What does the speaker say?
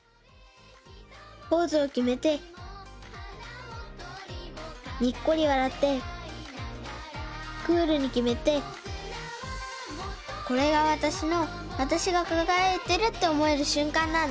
ポーズをきめてにっこりわらってクールにきめてこれがわたしのわたしがかがやいてるっておもえるしゅんかんなんだ。